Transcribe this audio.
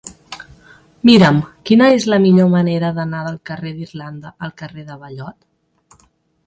Mira'm quina és la millor manera d'anar del carrer d'Irlanda al carrer de Ballot.